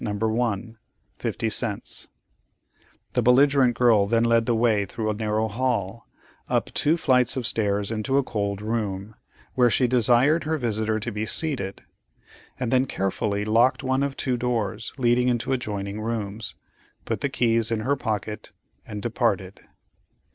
|| s 1 |++ The belligerent girl then led the way through a narrow hall, up two flights of stairs into a cold room, where she desired her visitor to be seated. She then carefully locked one or two doors leading into adjoining rooms, put the keys in her pocket, and departed.